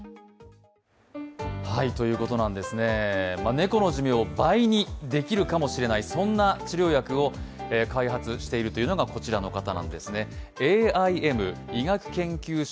猫の寿命を倍にできるかもしれない、そんな治療薬を開発しているというのが、こちらの方なんですね。